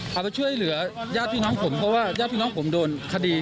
เขาไปช่วยเหลือญาติพี่น้องผมเพราะว่าญาติพี่น้องผมโดนคดี